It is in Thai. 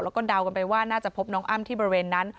แล้วก็เดากันไปว่าน่าจะพบน้องอ้ำที่บริเวณนั้น